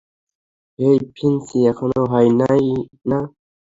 হেই, Finchy, এখনো হয় নি, না?